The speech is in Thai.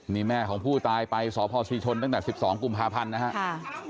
นี่แม่ของผู้ตายไปสพศรีชนตั้งแต่๑๒กุมภาพันธ์นะครับ